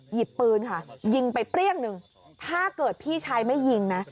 หยิบปืนค่ะยิงไปเปรี้ยงหนึ่งถ้าเกิดพี่ชายไม่ยิงนะ